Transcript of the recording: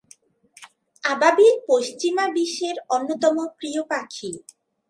আবাবিল পশ্চিমা বিশ্বের অন্যতম প্রিয় পাখি।